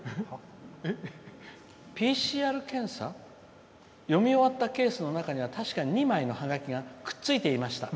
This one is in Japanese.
ＰＣＲ検査読み終わったケースには確かに２枚のハガキがくっついていました」。